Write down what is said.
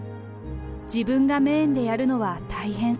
自分がメーンでやるのは大変。